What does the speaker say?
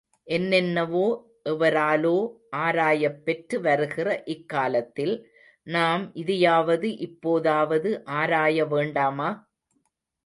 என்னென்னவோ எவராலோ ஆராயப்பெற்று வருகிற இக் காலத்தில், நாம் இதையாவது இப்போதாவது ஆராய வேண்டாமா?